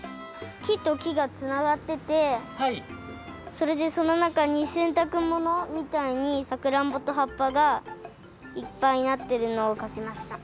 きときがつながっててそれでそのなかにせんたくものみたいにさくらんぼとはっぱがいっぱいなってるのをかきました。